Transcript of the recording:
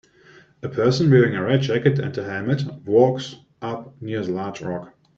A person wearing a red jacket and helmet walks up near the large rock.